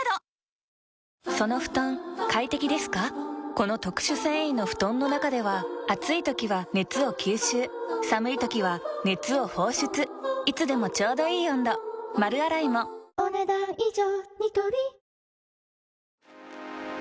この特殊繊維の布団の中では暑い時は熱を吸収寒い時は熱を放出いつでもちょうどいい温度丸洗いもお、ねだん以上。